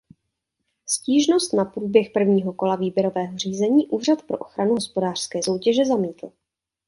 Stížnost na průběh prvního kola výběrového řízení Úřad pro ochranu hospodářské soutěže zamítl.